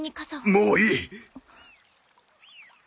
もういい。